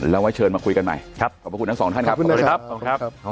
เราให้เชิญมาคุยกันใหม่ครับขอบคุณทั้ง๒ท่านครับสวัสดีครับครับสวัสดีครับ